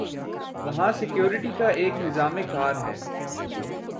وہاں سکیورٹی کا ایک نظام کار ہے۔